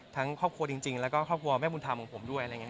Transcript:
ทั้งครอบครัวจริงแล้วก็ครอบครัวแม่บุญธรรมของผมด้วย